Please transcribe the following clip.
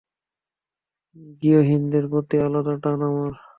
গৃহহীনদেরকে প্রতি আলাদা টান আমার।